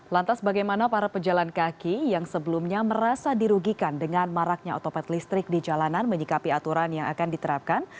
lantas bagaimana para pejalan kaki yang sebelumnya merasa dirugikan dengan maraknya otopet listrik di jalanan menyikapi aturan yang akan diterapkan